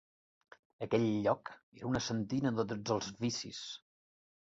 Aquell lloc era una sentina de tots els vicis.